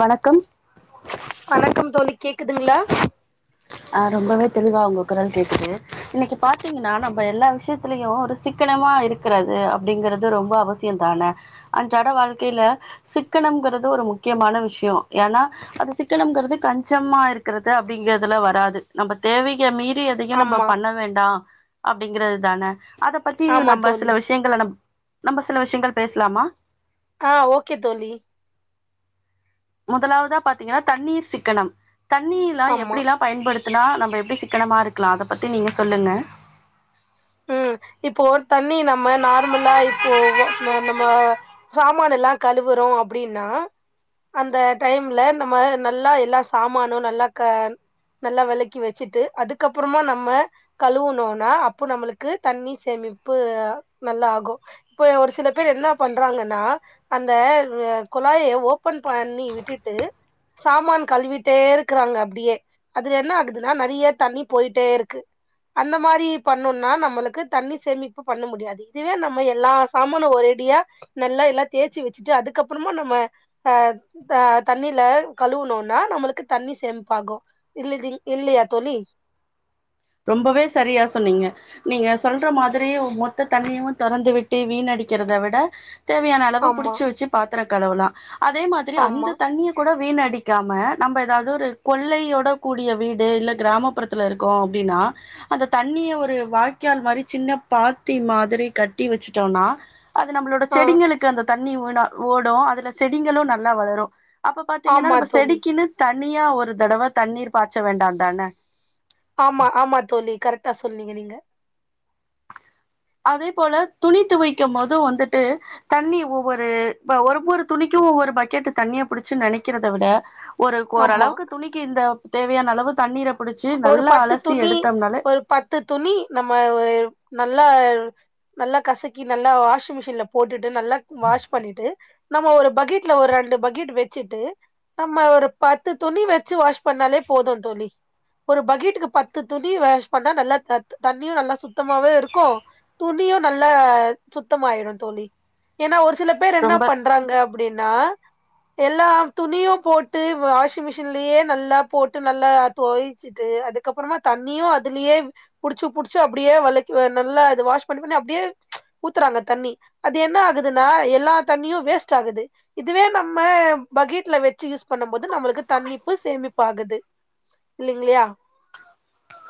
வணக்கம் வணக்கம் தோழி கேக்குதுங்களா ஆஹ் ரொம்பவே தெளிவா உங்க குரல் கேட்டுது இன்னைக்கு பாத்தீங்கன்னா நம்ம எல்லா விஷயத்திலயு ஒரு சிக்கனமா இருக்கிறது அப்படிங்கறிறது ரொம்ப அவசியம் தானே அன்றாட வாழ்க்கையில சிக்கனம்ங்கிறது ஒரு முக்கியமான விஷயம் ஏன்னா அது சிக்கனங்கிறது கஞ்சமா இருக்கிறது அப்படிங்கறதுல வர. து நம்ம தேவைய மீறி எதையும் நம்ம ஆமா பண்ண வேண்டா அப்படிங்கறது தான அத பத்தி ஆமா நம்ம தோழி சில விஷயங்களை நம். நம்ம சில விஷயங்கள் பேசலாமா. ஆஹ் ஓகே தோழி முதலாவதா பாத்தீங்கன்னா தண்ணீர் சிக்கனம். தண்ணி எல்லா ஆமா எப்படி எல்லா பயன்படுத்தினா நம்ம எப்படி. க்கணமா இருக்கலா அத பத்தி நீங்க சொல்லுங்க. உம் இப்போ தண்ணி நம்ம நார்மலா இப்போ நம்ம சாமான் எல்லா கழுவுறோம் அப்படின்னா அந்த டைம்ல நம்ம நல்லா எல்லா சமானும் நல்லா நல்லா விளக்கி வச்சுட்டு அதுக்கப்புறமா நம்ம கழுவுனும்னா அப்போ நம்மளுக்கு. தண்ணி சேமிப்பு நல்லா ஆகு இப்ப ஒரு சில பேர் என்ன பண்றாங்கன்னா அந்த குழாய ஓப்பன் பண்ணி விட்டுட்டு சாமான் கழுவிட்டே இருக்கறாங்க அப்படியே அதுல என்ன ஆகுதுன்னா நிறைய தண்ணி போயிட்டே இருக்கு அந்த மாதிரி பண்ணும்னா நம். நம்மளுக்கு தண்ணி சேமிப்பு பண்ண முடியாது இதுவே நம்ம எல்லா சாமானும் ஒரடியா நல்லா எல்லா தேய்சச்சு வச்சுட்டு அதுக்கப்புறமா நம்ம அஹ் ஆஹ் தண்ணில கழுவுணும்னா நம்மளுக்கு தண்ணி சேமிப்பாகு இல்ல இல்லையா தோழி ரொம்பவே சரியா சொன்னீங்க நீங்க சொல்ற மாதிரி மொத்த தண்ணியும் தறந்து விட்டு வீணடிக்கிறத விட. தேவையான அளவு ஆமா புடிச்சு வச்சு பாத் பத்தர கழவுலாம். அதே மாதிரி ஆமா அந்த தண்ணிய கூட. வீண அடிக்காம நம்ம ஏதாவது ஒரு கொள்ளையோட கூடிய வீடு இல்ல கிராமப்புறத்துல இருக்கோ. அப்படின்னா அந்த தண்ணிய ஒரு வாய்கால் மாதிரி சின்ன பாத்தி மாதிரி கட்டி வச்சுட்டோம்னா. அது நம்மளோட ஆ செடிங்களுக்கு அந்த. தண்ணி ஊனா ஓடும் அதுல செடிங்களு நல்லா வளரு அப்ப பாத்தீங்கன்னா ஆமா நம்ம தோழி செடிக்குன்னு தண் தனியா ஒரு தடவ தண்ணீர் பாய்ச்ச வேண்டாந்தானே ஆமா ஆமா தோழி கரெக்டா சொன்னீங்க நீங்க அதே போல துணி துவைக்கும் போதும் வந்துட்டு தண்ணி ஒவ்வொரு ஒவ்வொரு துணிக்கும் ஒவ்வொரு பக்கெட் தண்ணிய புடிச்சு நினைக்கிறத விட ஒரு ஆமா ஓரளவுக்கு துணிக்கு இந்த தேவையான அளவு தண்ணீர புடிச்சு ஒரு நல்லா பத்து அலசி துணி எடுத்தோம்னாலே ஒரு பத்து துணி நம்ம ஒரு நல்லா நல்லா கசக்கி நல்லா வாஷிங் மிஷின்ல போட்டுட்டு நல்லா வாஷ் பண்ணிட்டு நம்ம ஒரு பக்கெட்ல ஒரு ரெண்டு பக்கெட் வச்சுட்டு நம்ம ஒரு பத்து துணி வச்சு வாஷ் பண்ணாலே போது தோழி ஒரு பக்கீட்டுக்கு பத்து துணி வாஷ் பண்ணா நல்லா தண்ணியு நல்லா சுத்தமாவே இருக்கு துணியு நல்லா சுத்தமாயிரும் தோழி ஏன்னா ஒரு சில சில பேர் என்ன ரொம்ப பண்றாங்க அப்படின்னா எல்லார் துணியு போட்டு வாஷிங் மிஷின்லயே நல்லா போட்டு நல்லா தோயச்சுட்டு அதுக்கப்புறமா தண்ணியு அதுலயே புடிச்சு புடிச்சு அப்படியே விளக் நல்லா அது வாஷ் பண்ணி பண்ணி அப்படியே ஊத்துறாங்க தண்ணி அது என்ன ஆகுதுன்னா எல்லா தண்ணியு வேஸ்ட் ஆகுது இதுவே நம்ம பக்கெட்ல வச்சு யூஸ் பண்ணு போது நம்மளுக்கு தண்ணிப்பு சேமிப்பு ஆகுது இல்லைங்களையா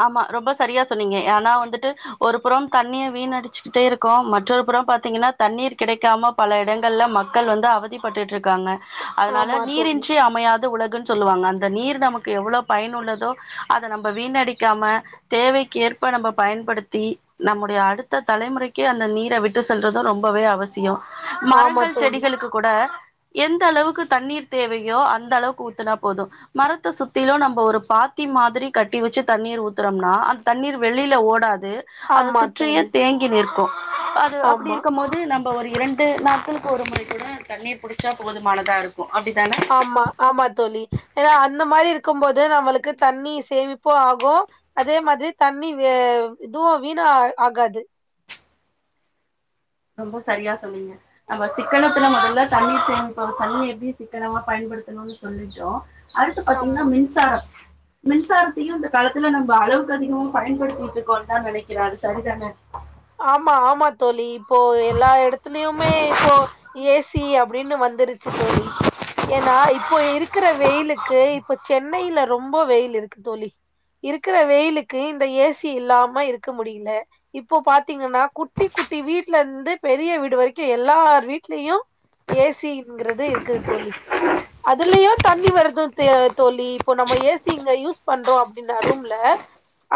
ஆமா ரொம்ப சரியா சொன்னீங்க ஆனா வந்துட்டு ஒரு புறம் தண்ணிய வீணடிச்சுக்கிட்டே இருக்கோ மற்றொரு புறம் பாத்தீங்கன்னா தண்ணீர் கிடைக்காம பல இடங்கள்ல மக்கள் வந்து அவதிப்பட்டுட்டு இருக்காங்க அதனால ஆமா தோழி நீரின்றி அமையாது உலகு சொல்லுவாங்க அந்த நீர் நமக்கு எவ்வளோ பயன் உள்ளதோ அத நம்ம வீணடிக்க இருக்காம தேவைக்கேற்ப நம்ம பயன்படுத்தி நம்முடைய அடுத்த தலைமுறைக்கே அந்த நீர விட்டு சென்றதும் ரொம்பவே அவசியோ ஆமா மரங்கள் தோழி செடிகளுக்கு கூட எந்த அளவுக்கு தண்ணீர் தேவையோ அந்த அளவுக்கு ஊத்துனா போது மரத்தை சுத்திலும் நம்ம ஒரு பாத்தி மாதிரி கட்டி வச்சு தண்ணீர் ஊத்துறம்னா அந்த தண்ணீர் வெளில ஓடாது அத ஆமா சுற்றியே தோழி தேங்கி நிற்கு அது அப்படி ஆமா இருக்க போது நம்ம இப்ப ஒரு இரண்டு நாட்களுக்கு ஒரு முறைக்கூட தண்ணீர் புடிச்சா போதுமானதா இருக்கு அப்டித்தான ஆமா ஆமா தோழி ஏன்னா அந்த மாரி இருக்கு இருக்கு போது நம்மளுக்கு தண்ணி சேமிப்போ ஆகு அதே மாதிரி தண்ணி வே இதுவு வீணா ஆகாது ரொம்ப சரியா சொன்னீங்க நம்ம சிக்கனத்துல முதல்ல தண்ணீர் சேமிப்ப வந்து தண்ணி எப்படி சிக்கனமா பயன்படுத்தணும்னு சொல்லிட்டோ அடுத்து பாத்தீங்கனா ஆமா. மின்சாரம் மின்சாரத்தையும் இந்த காலத்துல நம்ம அளவுக்கு அதிகமா பயன்படுத்திட்டு இருக்கோன்னு தான் நினைக்கிறே அது சரிதான ஆமா ஆமா தோழி இப்போ எல்லா இடத்துலயுமே இப்போ ஏசி அப்டின்னு வந்து வந்துருச்சு தோழி ஏன்னா இப்போ இருக்குற வெயிலுக்கு இப்ப சென்னையில ரொம்ப வெயில் இருக்கு தோழி இருக்கிற வெயிலுக்கு இந்த ஏசி இல்லாம இருக்க முடியல இ இப்போ பாத்தீங்கன்னா குட்டி குட்டி வீட்ல இருந்து பெரிய வீடு வரைக்கு எல்லார் வீட்லயு ஏசிங்கிறது இருக்குது தோழி அதுலயு தண்ணி வருது தோழி இப்போ நம்ம ஏசி இங்க யூஸ் பண்றோ அப்படின்னா ரூம்ல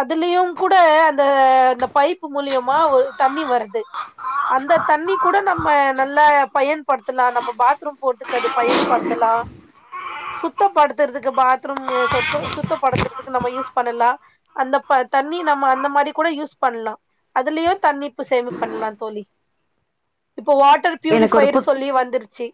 அதுலயு கூட அந்த அந்த பைப் மூலியமா ஒரு தண்ணி வருது அதுலயோ தண்ணிப்பு சேமிப்பு பண்ணலா தோழி இப்போ வாட்டர் எனக்கு ஒரு பியூரிஃபயர் புத் சொல்லி வந்துருச்சு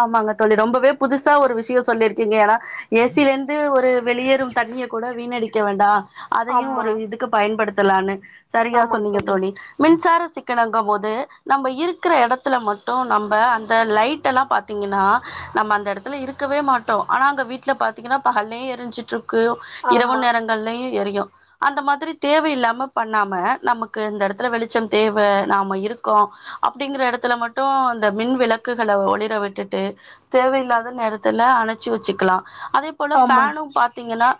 ஆமாங்க தோழி ரொம்பவே புதுசா ஒரு விஷயம் சொல்லிருக்கீங்க ஏன்னா ஏசில இருந்து ஒரு வெளியேறு தண்ணிய கூட வீணடிக்க வேண்டா அதையு ஆமா ஒரு இதுக்கு பயன்படுத்த தலான்னு சரியா சொன்னீங்க தோழி மின்சார சிக் கிணங்கும் போது நம்ம இருக்கிற இடத்துல மட்டும் நம்ம அந்த லைட் எல்லா பார்த்து பாத்திஙீகனா நம்ம அந்த இடத்துல இருக்கவே மாட்டோ ஆனா அங்க வீட்டுல பாத்தீங்கன்னா பகலே எரிஞ்சிட்டு இரு இரவு ஆமா நேரங்கலுயு எரியு அந்த மாதிரி தேவையில்லாம பண்ணாம நமக்கு இந்த இடத்துல வெளிச்சம் தேவ நாம இருக்கோ அப்படிங்கிற இடத்துல மட்டும் அந்த மின் விளக்குகளை ஒளிர விட்டு விட்டுட்டு தேவையில்லாத நேரத்துல அணைச்சி வச்சுக்கலா அதே போல ஆமா ஃபேனும் பாத்தீங்கன்னா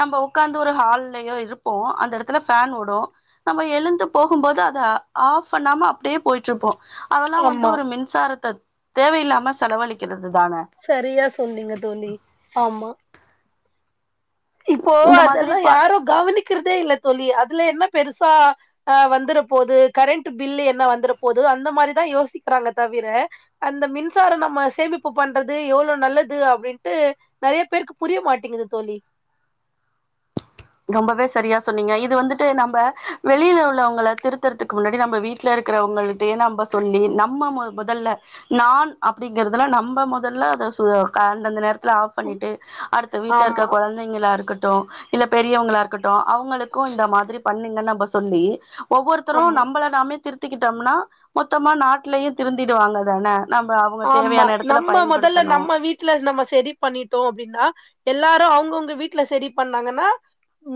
நம்ம உட்காந்து ஒரு ஹால்லயோ இருப்போ அந்த இடத்துல ஃபேன் ஓடும் நம்ம எழுந்து போகு போது அதை ஆஃப் பண்ணாம அப்படியே போயிட்டு இருப்போ அதெல்லாம் வந்து ஆமா ஒரு மின்சாரத்தை தேவையில்லாம செலவழிக்கிறது தான சரியா சொன்னீங்க தோழி ஆமா இப்போ இந்த மாதிரி அதெல்லா பா யாரோ கவனிக்கிறதே இல்ல தோழி அதுல என்ன பெருசா அஹ் வந்துற போது கரண்ட் பில் என்ன வந்துற போகுது அந்த மாதிரிதான் யோசிக்கிறாங்க தவிர அந்த மின்சாரம் நம்ம சேமிப்பு பண்றது எவ்வளவு நல்லது அப்படின்ட்டு நிறைய பேருக்கு புரிய மாட்டேங்குது தோழி ரொம்பவே சரியா சொன்னீங்க இது வந்துட்டு நம்ம வெளியில உள்ளவங்கள திருத்துறதுக்கு முன்னாடி நம்ம வீட்டுல இருக்கிறவங்களுக்கு நம்ம சொல்லி நம்ம முதல்ல நான் அப்படிங்கறதுல நம்ம முதல்ல அத அந்தந்த நேரத் ஆப் ம், பண்ணிட்டு அடுத்த வீட்டுல இருக்க ஆமா குழந்தைங்களா இருக்க இல்ல பெரியவங்களா இருக்கட் ட்டு அவங்களுக்கும் இந்த மாதிரி பண்ணீங்கன்னு நம்ம சொல்லி ஒவ்வொருத்தரும் ஆமா நம்மளை நாமே திரு க்கிட்டோம்னா மொத்தமா நாட்டலயே திருந்திடுவாங்க தானே ஆமா நம்ம முதல்ல நம்ம வீட்டுல நம்ம செரி பண்ணிட்டோம் அப்படின்னா எல்லா அவங்கவுங்க வீட்டுல சரி பண்ணாங்கன்னா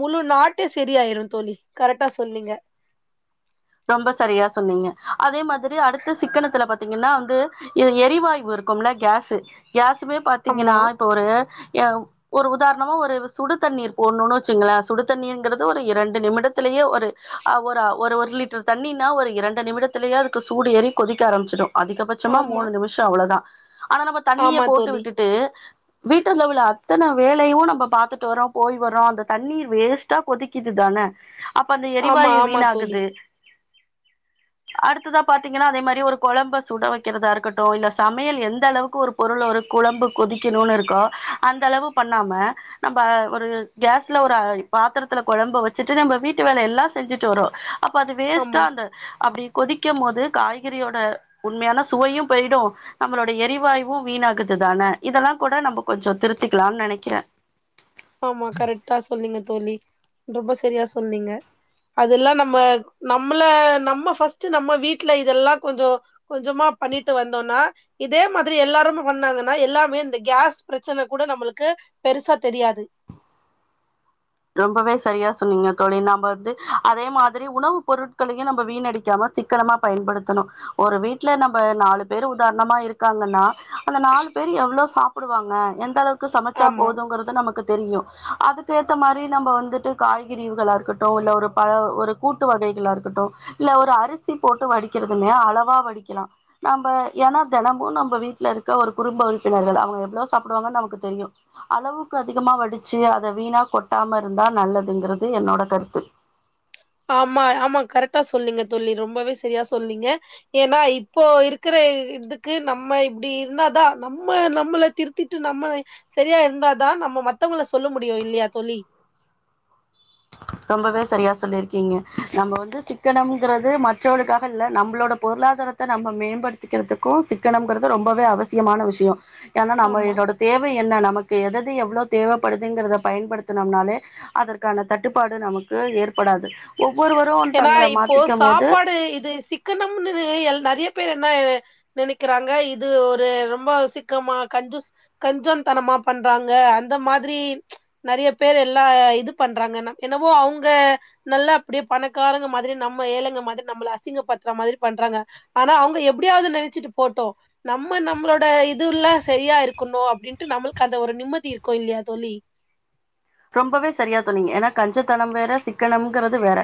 முழு நாட்டே சரி ஆயிரு தோழி கரெக்டா சொன்னிங்க ரொம்ப சரியா சொன்னீங்க அதே மாதிரி அடுத்து சிக்கனத்துல பாத் த்தீங்கன்னா வந்து இது எரிவாயு இருக்கும்ல கேசு கேசுமே பாத்தீங்கன்னா ஆமா இப்ப ஒரு ஒரு உதாரணமா ஒரு சுடு தண்ணீர் போடணும்னு வச்சுங்களே சுடுதண்ணீர்ங்கிறது ஒரு இரண்டு நிமிடத்திலேயே ஒரு ஒரு [unintelligible] தண்ணீனா ஒரு இரண்டு நிமிடத்திலேயே அதுக்கு சூடு ஏறி கொதிக்க ஆரம்பிச்சிடு அதிகபட்சமா ஆமா மூணு நிமிஷம் அவ்வளோதான் ஆனா நம்ம தண்ணிய ஆமா போட்டு தோழி விட்டுட்டு வீட்டுல உள்ள அத்தனை வேலையு நம்ம பார்த்துட்டு வரோம் போய் வரோம் அந்த தண்ணீர் வேஸ்ட்டா கொதிக்குது தானே அப்ப அந்த ஆமா எரிவாயு ஆமா வீண் தோழி ஆகுது அடுத்ததா பாத்தீங்கன்னா அதே மாதிரி ஒரு குழம்ப சுட வைக்கிறதா இருக்கட்டு இல்ல சமையல் எந்த அளவுக்கு ஒரு பொருள் ஒரு குழம்பு கொதிக்கணும்னு இருக்கோ அந்த அளவு பண்ணாம நம்ம ஒரு கேஸ்ல ஒரு பாத்திரத்துல குழம்பு வச்சுட்டு நம்ம வீட்டு வேலை எல்லாம் செஞ்சுட்டு வரோம் அப்ப ஆமா வேஸ்ட்டாந்த அப்படி கொதிக்கும் போது காய்கறியோட உண்மையான சுவையும் போயிடும் நம்மளோடைய எரிவாயும் வீணாகுதுதானே இதெல்லாம் கூட நம்ம கொஞ்ச திருத்திக்கலாம்னு நினைக்கிறேன் ஆமா கரெக்டா சொன்னீங்க தோழி ரொம்ப சரியா சொன்னீங்க அதெல்லாம் நம்ம நம்மள நம்ம ஃபஸ்ட் நம்ம வீட்டுல இதெல்லாம் கொஞ்சம் கொஞ்சமா பண்ணிட்டு வந்தோம்னா இதே மாதிரி எல்லாருமே பண்ணாங்கன்னா எல்லாமே இந்த கேஸ் பிரச்சனை கூட நம்மளுக்கு பெருசா தெரியாது ரொம்பவே சரியா சொன்னீங்க தோழி நம்ம வந்து அதே மாதிரி உணவு பொருட்களையும் நம்ம வீணடிக்காம சிக்கனமா பயன்படுத்தணு ஒரு வீட்டுல நம்ம நாலு பேர் உதாரணமா இருக்காங்கன்னா அந்த நாலு பேர் எவ்வளவு சாப்பிடுவாங்க எந்த அளவுக்கு சமைச்சா ஆமா போதும்ங்கறது நமக்கு தெரியும் அதுக்கு த்து மாதிரி நம்ம வந்துட்டு காய்கறிகளா இருக்கட்டும் இல்ல ஒரு பல ஒரு கூட்டு வகைகளா இருக்கட்டு இல்ல ஒரு அரிசி போட்டு வடிக்கிறதுல்லய அளவா வடிக்கலாம் நம்ம ஏன்னா தினமும் நம்ம வீட்டுல இருக்க ஒரு குடும்ப உறுப்பினர்கள் அவங்க எவ்வளோ சாப்பிடுவாங்கன்னு நமக்கு தெரியு அளவுக்கு அதிகமா வடிச்சு அதை வீணா- கொட்டாம இருந்தா நல்லதுங்கிறது என்னோட கருத்து ஆமா ஆமா கரெக்டா சொன்னீங்க தோழி ரொம்பவே சரியா சொன்னீங்க ஏன்னா இப்போ இருக்கிற இதுக்கு நம்ம இப்படி இருந்தாதா நம்ம நம்மளை திருத்திட்டு நம்ம சரியா இருந்தாதா நம்ம மத்தவங்கள சொல்ல முடியு இல்லையா தோழி ரொம்பவே சரியா சொல்லியிருக்கீங்க நம்ம வந்து சிக்கனம்ங்கிறது மற்றவர்களுக்காக இல் நம்மளோட பொருளாதாரத்தை நம்ம மேம்படுத்திக்கிறதுக்கும் சிக்கனம்ங்கிறது ரொம்பவே அவசியமான விஷயம் ஏன்னா நம்ம ஆமா இதோட தேவை என்ன நமக்கு எத எவ்வளவு தேவைப்படுதுங்கிறத பயன்படுத்தனும்னாவே அதற்கான தட்ட- ப்பாடு நமக்கு ஏற்படாது ஒ ஏன்னா இப்போ சாப்பாடு இது சிக்கனம்னு நிறைய பேர் என்ன நினைக்கிறாங்க இது ஒரு ரொம்ப சிக்கமா கஞ்சுஷ் கஞ்சன்தனமா பண்றாங்க அந்த மாதிரி நிறைய பேர் எல்லா இது பண்றாங்க என்னவோ அவங்க நல்லா அப்படிய- பணக்காரங்க மாதிரி நம்ம ஏழைங்க மாதிரி நம்மளை அசிங்க பத்துற மாதிரி பண்றாங்க ஆனா அவங்க எப்படியாவது நினைச்சிட்டு போட்டு நம்ம நம்மளோட இதுவ் ல எல்லா சரியா இருக்கணு அப்படின்ட்டு நம்மளுக்கு அந்த ஒரு நிம்மதி இருக்கும் இல்லையா தோழி ரொம்பவே சரியா சொன்னீங்க ஏன்னா கஞ்சத்தனம் வேற சிக்கனம்ங்கிறது வேற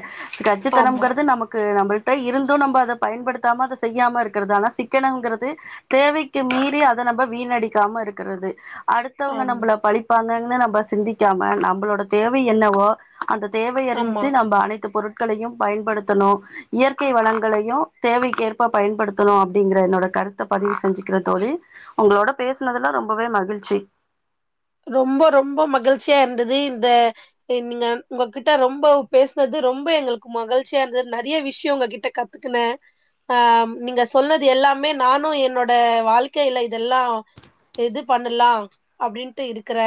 ஆமா கஞ்சத்தனம்ங்கிறது நமக்கு நம்மளுக்கு இருந்து நம்ம அதை பயன்படுத்தாம அதை செய்யாம இருக்கிறது ஆனா சிக்கனங்கிறது தேவைக்கு மீறி அதை நம்ம வீணடிக்காம இருக்கிறது அடுத்தவங்க ஆமா நம்மளை பலிப்பாங்கன் ன்ன நம்ப சிந்திக் க்காம நம்மளோட தேவை என்னவோ அந்த தேவை ஆமா அறிஞ்சு நம்ம அனைத்து பொருட் ட்களையும் பயன்படுத்தணு இயற்கை வளங்களையும் தேவைக்கேற்ப பயன்படுத்தணு அப்படிங்கிற என்னோட கருத்தை பதிவு செஞ்சுக்கிறேன் தோழி உங்களோட பேசினதுல ரொம்பவே மகிழ்ச்சி ரொம்ப ரொம்ப மகிழ்ச்சியா இருந்தது இந்த நீங்க உங்ககிட்ட ரொம்ப பேசினது ரொம்ப எங்களுக்கு மகிழ்ச்சியா இருந்தது நிறைய விஷயம் உங்ககிட்ட கத்துக்கனேன் ஆஹ் நீங்க சொன்னது எல்லாமே நானும் என்னோட வாழ்க்கையில இதெல்லா இது பண்ணலா அப்படின்னு இருக்கற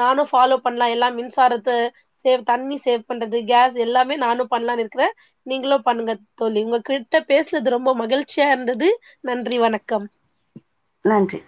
நானும் ஃபாலோ பண்ணலா எல்லாம் மின்சாரத்தை சேவ் தண்ணி சேவ் பண்றது கேஸ் எல்லாமே நானும் பண்ணலாம்னு இருக்கிறேன் நீங்களு பண்ணுங்க தோழி உங்க கிட்ட பேசனது ரொம்ப மகிழ்ச்சியா இருந்தது நன்றி வணக்கம் நன்றி